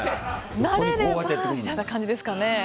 慣れればみたいな感じですかね。